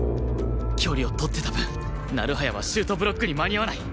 距離を取ってた分成早はシュートブロックに間に合わない